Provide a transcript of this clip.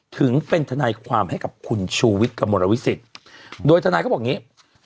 ถึงเป็นทนายความให้กับคุณชูวิทย์กระมวลวิสิตโดยทนายเขาบอกอย่างนี้